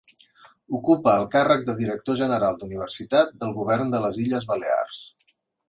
Ocupà el càrrec de Director general d’Universitat del Govern de les Illes Balears.